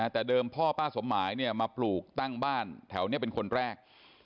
แต่เดิมพ่อป้าสมหมายมาปลูกตั้งบ้านแถวนี้เป็นคนแรก